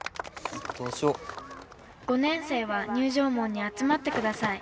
「５年生は入場門に集まってください」。